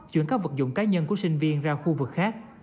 chuyển các vật dụng cá nhân của sinh viên ra khu vực khác